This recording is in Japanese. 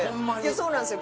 そうなんですよ。